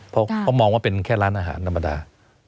เพราะมองว่าเป็นแค่ร้านอาหารธรรมดา